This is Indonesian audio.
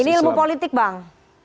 ini ilmu politik bang